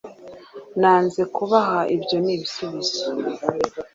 Nanze kubaha ibyo nibisubizo.